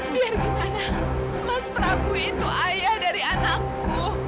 biar gimana mas prabu itu ayah dari anakku